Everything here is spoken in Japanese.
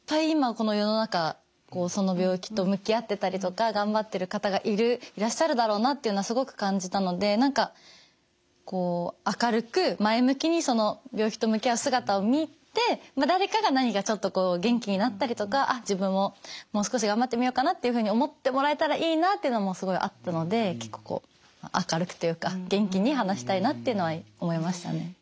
今この世の中その病気と向き合ってたりとか頑張ってる方がいらっしゃるだろうなっていうのはすごく感じたので何かこう明るく前向きに病気と向き合う姿を見て誰かが何かちょっと元気になったりとかあっ自分ももう少し頑張ってみようかなっていうふうに思ってもらえたらいいなっていうのもすごいあったので結構明るくというか元気に話したいなっていうのは思いましたね。